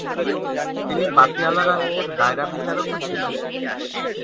তিনি পাতিয়ালা রাজ্যের দায়রা বিচারকও ছিলেন।